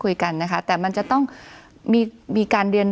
คุณปริณาค่ะหลังจากนี้จะเกิดอะไรขึ้นอีกได้บ้าง